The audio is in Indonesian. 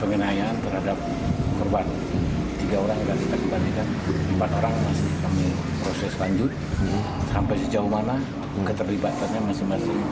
ke dalam ruang isolasi